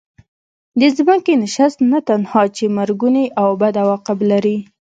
د ځمکې نشست نه تنها چې مرګوني او بد عواقب لري.